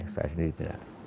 saya sendiri tidak